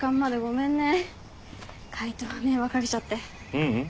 ううん。